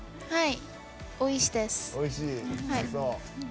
はい。